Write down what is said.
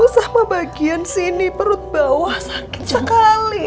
sama bagian sini perut bawah sakit sekali